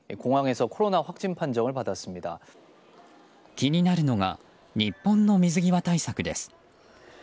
気になるのが日本の水際対策です。